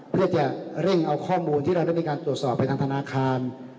เพื่อจะเร่งเอาข้อมูลที่เราจะตัวตัวไปทางธนาคาร